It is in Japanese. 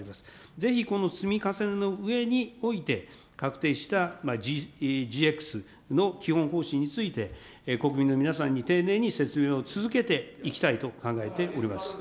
ぜひこの積み重ねのうえにおいて、確定したＧＸの基本方針について、国民の皆さんに丁寧に説明を続けていきたいと考えております。